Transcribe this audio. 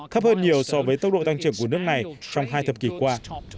thấp hơn nhiều so với tốc độ tăng trưởng của nước này trong hai thập kỷ qua